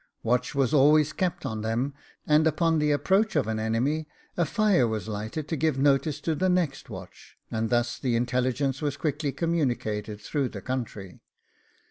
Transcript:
Watch was always kept on them, and upon the approach of an enemy a fire was lighted to give notice to the next watch, and thus the intelligence was quickly communicated through the country.